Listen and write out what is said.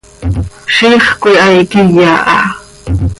Ziix cöihaai quiya ha.